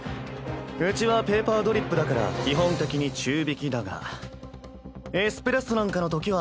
うちはペーパードリップだから基本的に中びきだがエスプレッソなんかのときは。